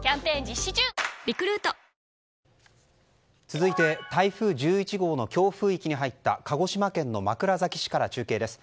続いて台風１１号の強風域に入った鹿児島県の枕崎市から中継です。